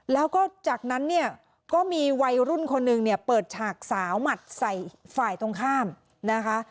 แล้วก็จากนั้นเนี่ยก็มีวัยรุ่นคนหนึ่งเนี่ยเปิดฉากสาวหมัดใส่ฝ่ายตรงข้ามนะคะ